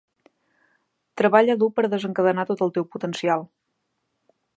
Treballa dur per desencadenar tot el teu potencial.